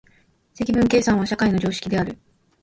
積分計算は社会の常識である。